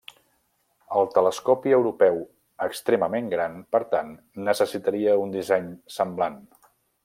El Telescopi Europeu Extremament Gran, per tant, necessitaria un disseny semblant.